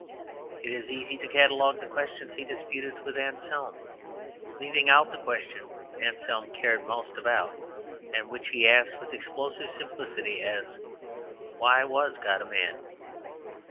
It is easy to catalogue the questions he disputed with Anselm leaving out the question Anselm cared most about, and which he asked with explosive simplicity, as, "Why was God a man?"